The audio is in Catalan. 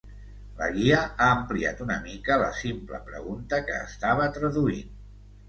La guia ha ampliat una mica la simple pregunta que estava traduint.